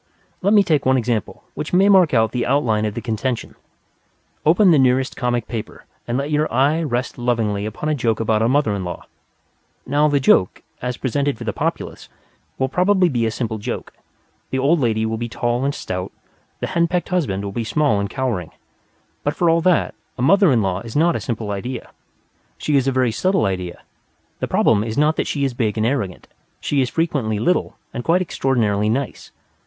Let me take one example which may mark out the outline of the contention. Open the nearest comic paper and let your eye rest lovingly upon a joke about a mother in law. Now, the joke, as presented for the populace, will probably be a simple joke; the old lady will be tall and stout, the hen pecked husband will be small and cowering. But for all that, a mother in law is not a simple idea. She is a very subtle idea. The problem is not that she is big and arrogant; she is frequently little and quite extraordinarily nice.